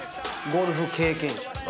ゴルフ経験者に。